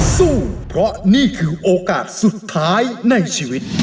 สู้เพราะนี่คือโอกาสสุดท้ายในชีวิต